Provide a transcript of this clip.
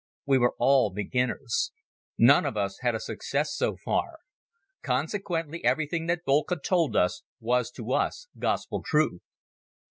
We were all beginners. None of us had had a success so far. Consequently everything that Boelcke told us was to us gospel truth.